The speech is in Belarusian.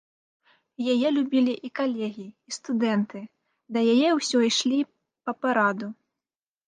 Яе любілі і калегі, і студэнты, да яе ўсё ішлі па параду.